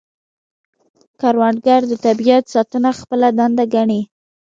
کروندګر د طبیعت ساتنه خپله دنده ګڼي